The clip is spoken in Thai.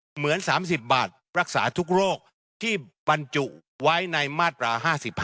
เหมือน๓๐บาทรักษาทุกโรคที่บรรจุไว้ในมาตรา๕๕